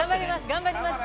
頑張ります